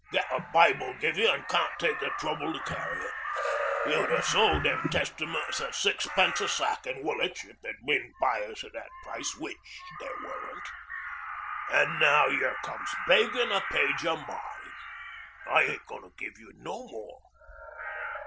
Get a Bible give you an' can't take the trouble to carry it. You'd ha' sold them Testaments at a sixpence a sack in Woolwich if there'd been buyers at that price which there weren't. An' now you comes beggin' a page o' mine. I ain't goin' to give no more.